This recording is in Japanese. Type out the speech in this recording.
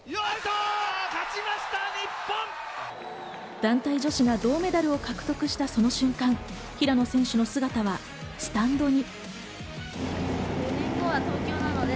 団体女子が銅メダルを獲得した瞬間、平野選手の姿はスタンドに。